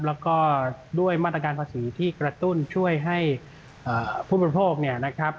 แล้วก็ด้วยมาตรการภาษีที่กระตุ้นช่วยให้ผู้บริโภคเนี่ยนะครับ